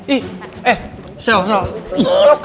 ih eh salah salah